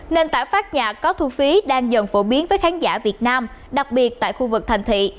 nền tảng phát nhạc có thu phí đang dần phổ biến với khán giả việt nam đặc biệt tại khu vực thành thị